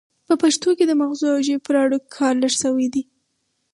په پښتو کې د مغزو او ژبې پر اړیکو کار لږ شوی دی